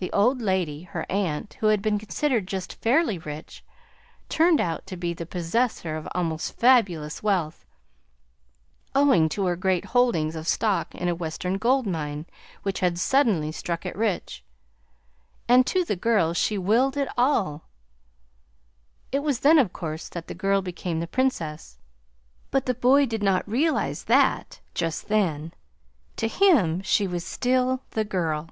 The old lady, her aunt, who had been considered just fairly rich, turned out to be the possessor of almost fabulous wealth, owing to her great holdings of stock in a Western gold mine which had suddenly struck it rich. And to the girl she willed it all. It was then, of course, that the girl became the Princess, but the boy did not realize that just then. To him she was still 'the girl.'